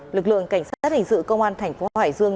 lực lượng cảnh sát hình sự công an thành phố hải dương